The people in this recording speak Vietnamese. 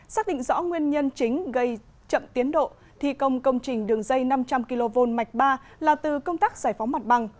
xác định rõ nguyên nhân chính gây chậm tiến độ thi công công trình đường dây năm trăm linh kv mạch ba là từ công tác giải phóng mặt bằng